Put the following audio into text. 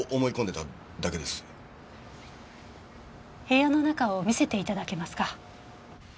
部屋の中を見せていただけますか？